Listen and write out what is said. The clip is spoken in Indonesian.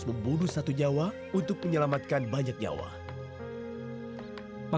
suci aku akan menolongmu